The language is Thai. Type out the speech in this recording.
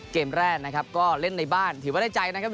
เกมแรกนะครับก็เล่นในบ้านถือว่าได้ใจนะครับ